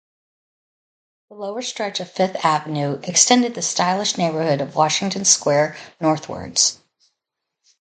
The lower stretch of Fifth Avenue extended the stylish neighborhood of Washington Square northwards.